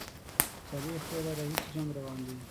څلوېښت کاله راهیسي جنګ روان دی.